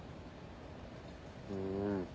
うん。